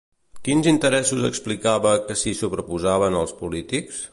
Quins interessos explicava que s'hi sobreposaven als polítics?